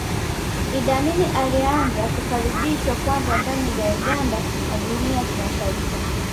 Idi Amin alianza kukaribishwa kwanza ndani ya Uganda na jumuiya ya kimataifa